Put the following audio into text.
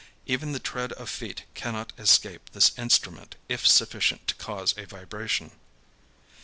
Even the tread of feet cannot escape this instrument if sufficient to cause a vibration.